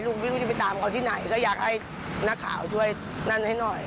วิ่งไม่รู้จะไปตามเขาที่ไหนก็อยากให้นักข่าวช่วยนั่นให้หน่อย